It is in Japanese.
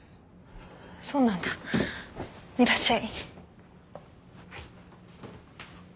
そうなんだいらっしゃい。